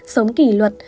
sống kỷ luật